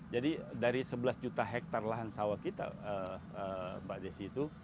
jadi dari sebelas juta hektar lahan sawah kita mbak desy itu